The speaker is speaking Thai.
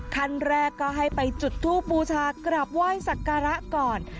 ขั้นแรกก็ให้ไปจุดทูบบูชากราบไหว้สักการะก่อน